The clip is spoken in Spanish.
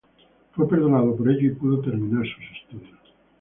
Fue perdonado por ello y pudo terminar sus estudios.